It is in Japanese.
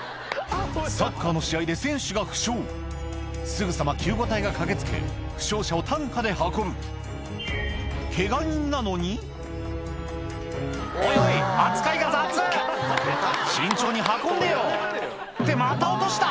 サッカーの試合で選手が負傷すぐさま救護隊が駆け付け負傷者を担架で運ぶ慎重に運んでよってまた落とした！